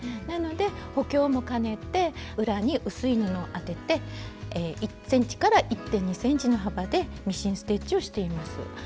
なので補強もかねて裏に薄い布を当てて１ｃｍ１．２ｃｍの幅でミシンステッチをしています。